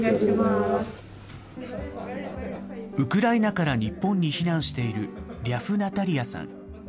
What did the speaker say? ウクライナから日本に避難しているリャフ・ナタリアさん。